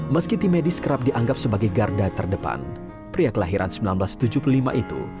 meski tim medis kerap dianggap sebagai garda terdepan pria kelahiran seribu sembilan ratus tujuh puluh lima itu